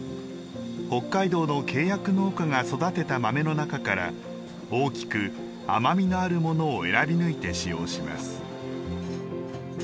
北海道の契約農家が育てた豆の中から大きく甘みのあるものを選び抜いて使用します。